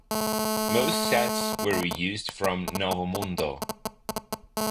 Most sets were reused from "Novo Mundo".